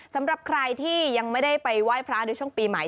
สำหรับใครที่ยังไม่ได้ไปไหว้พระในช่วงปีใหม่